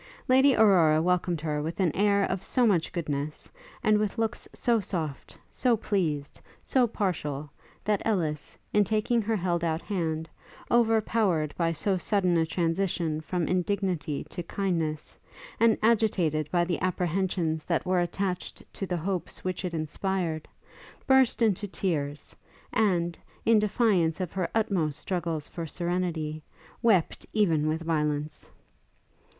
Lady Aurora welcomed her with an air of so much goodness, and with looks so soft, so pleased, so partial, that Ellis, in taking her held out hand, overpowered by so sudden a transition from indignity to kindness, and agitated by the apprehensions that were attached to the hopes which it inspired, burst into tears, and, in defiance of her utmost struggles for serenity, wept even with violence.